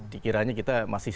dikiranya kita masih